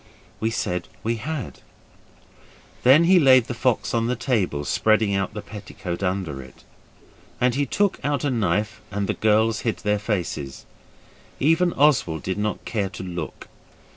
We said we had. Then he laid the fox on the table, spreading out the petticoat under it, and he took out a knife and the girls hid their faces. Even Oswald did not care to look.